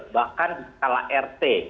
bahkan di skala rt